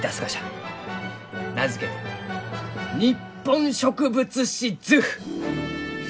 名付けて「日本植物志図譜」。